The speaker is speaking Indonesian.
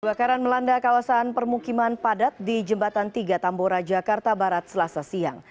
kebakaran melanda kawasan permukiman padat di jembatan tiga tambora jakarta barat selasa siang